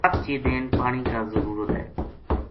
ست چیدین پانی کا ضرورت ہے‘‘